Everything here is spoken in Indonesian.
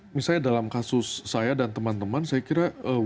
kalau misalnya dalam kasus saya dan teman teman saya kira kita growing up